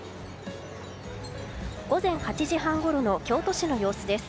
午前８時半ごろの京都市の様子です。